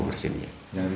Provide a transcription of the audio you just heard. lima puluh persen ya